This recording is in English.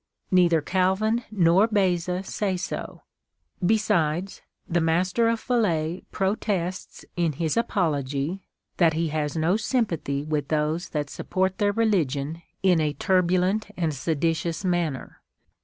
Neither Calvin nor Beza say so. Besides, the Master of Falais protests in his Apology, that he has no sympathy with those that support their religion in a turbulent and seditious manner.